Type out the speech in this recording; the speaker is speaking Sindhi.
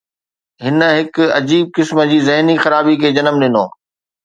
هن هڪ عجيب قسم جي ذهني خرابي کي جنم ڏنو.